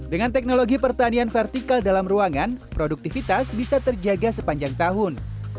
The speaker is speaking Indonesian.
dengan teknologi pertanian vertikal dalam ruangan produktivitas bisa terjaga sepanjang tahun